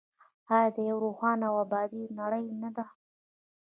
آیا د یوې روښانه او ابادې نړۍ نه ده؟